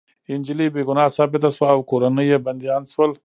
انجلۍ بې ګناه ثابته شوه او کورنۍ يې بندیان شول